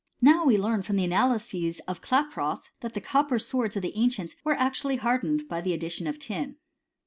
Now we learn from the analyses of Klaproth, that the copper swords of the ancients were actually hardened by the addition of tin.